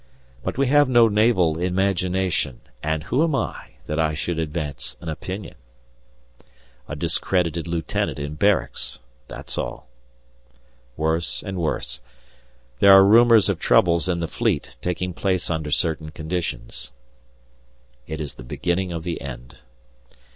But we have no naval imagination, and who am I, that I should advance an opinion? A discredited Lieutenant in barracks that's all. Worse and worse there are rumours of troubles in the Fleet taking place under certain conditions. It is the beginning of the end!